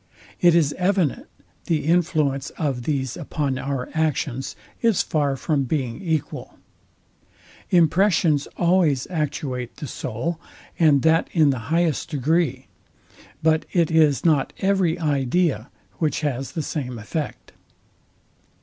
It is evident the influence of these upon our actions is far from being equal. Impressions always actuate the soul, and that in the highest degree; but it is not every idea which has the same effect.